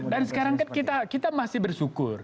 dan sekarang kita masih bersyukur